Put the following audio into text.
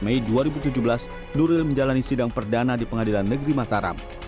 mei dua ribu tujuh belas nuril menjalani sidang perdana di pengadilan negeri mataram